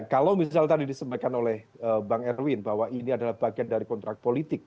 kalau misalnya tadi disampaikan oleh bang erwin bahwa ini adalah bagian dari kontrak politik